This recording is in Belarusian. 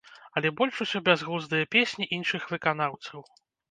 Але больш усё бязглуздыя песні іншых выканаўцаў.